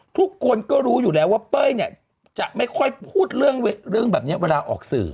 ทุกคนก็รู้อยู่แล้วว่าเป้ยเนี่ยจะไม่ค่อยพูดเรื่องแบบนี้เวลาออกสื่อ